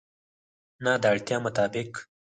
نه، د اړتیا مطابق